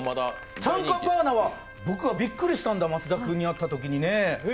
チャンカパーナは僕はびっくりしたんだ増田君に会ったときに。